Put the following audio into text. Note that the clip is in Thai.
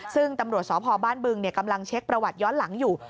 ซึ่งตำรวจสพบ้านบึงกำลังเช็คประวัติย้อนหลังอยู่